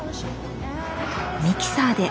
ミキサーで。